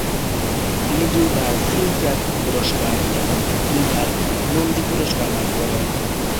তিনি দুইবার ফিল্মফেয়ার পুরস্কার এবং দুইবার নন্দী পুরস্কার লাভ করেন।